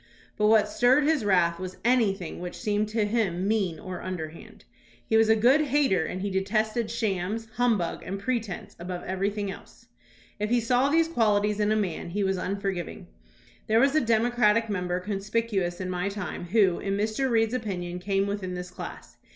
But what stirred his wrath was anything which seemed to him mean or underhand. He was a good hater and he detested shams, humbug, and pretence above everything else. If he saw these quahties in a man, he was un forgiving. There was a Democratic member con spicuous in my time who, in Mr. Reed's opinion, came within this class.